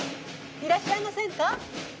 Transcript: いらっしゃいませんか？